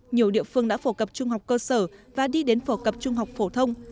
nhiều địa phương đã phổ cập trung học cơ sở và đi đến phổ cập trung học phổ thông